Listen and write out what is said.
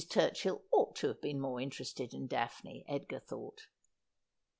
Turchill ought to have been more interested in Daphne, Edgar thought.